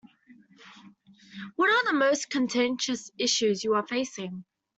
What are the most contentious issues you are facing?